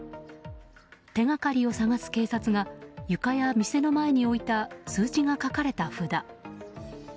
手がかりを探す警察が床や店の前に置いた数字が書かれた札。